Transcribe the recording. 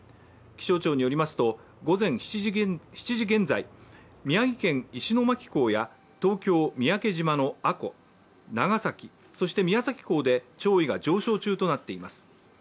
気象庁によりますと午前７時現在、宮城県石巻港や東京・三宅島の阿古、長崎、そして宮崎港で潮位が上昇中となっています。